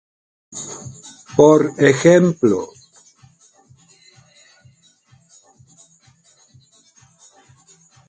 por ejemplo